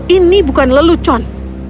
ini bukan lelucon